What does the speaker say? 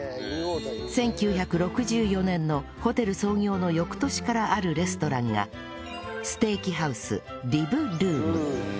１９６４年のホテル創業の翌年からあるレストランがステーキハウス ＲＩＢＲＯＯＭ